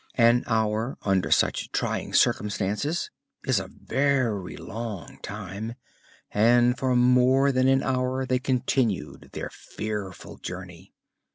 An hour, under such trying circumstances, is a very long time, and for more than an hour they continued their fearful journey.